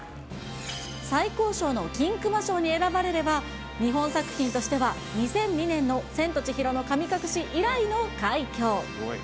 最高賞の金熊賞に選ばれれば、日本作品としては２００２年の千と千尋の神隠し以来の快挙。